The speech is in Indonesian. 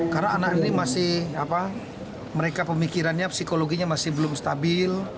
karena anak ini masih mereka pemikirannya psikologinya masih belum stabil